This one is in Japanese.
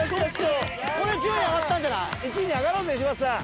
１位に上がろうぜ柴田さん！